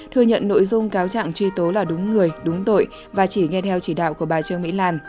thừa nhận nội dung cáo trạng truy tố là đúng người đúng tội và chỉ nghe theo chỉ đạo của bà trương mỹ lan